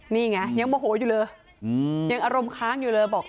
นี่ไงยังโมโหอยู่เลยยังอารมณ์ค้างอยู่เลยบอก